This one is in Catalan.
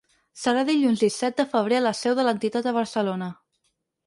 Serà dilluns disset de febrer a la seu de l’entitat a Barcelona.